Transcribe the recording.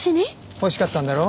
欲しかったんだろ？